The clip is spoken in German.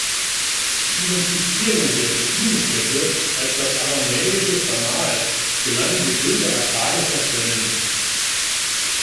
Die Identifizierung der Ruinenstätte als das aramäische Sam’al gelang mithilfe akkadischer Quellen.